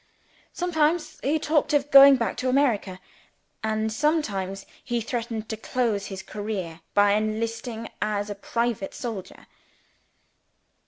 Sometimes he talked of going back to America; and sometimes he threatened to close his career by enlisting as a private soldier.